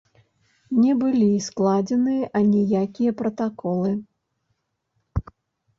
Не былі складзеныя аніякія пратаколы.